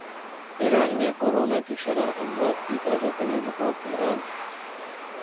ایران میں کرونا کی شرح اموات کی تازہ ترین رپورٹ تہران ارن